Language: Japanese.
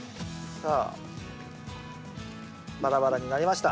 さあバラバラになりました。